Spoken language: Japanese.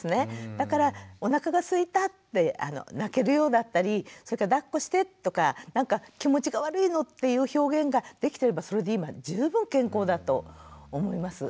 だからおなかがすいたって泣けるようだったりそれからだっこしてとかなんか気持ちが悪いのっていう表現ができてればそれで今十分健康だと思います。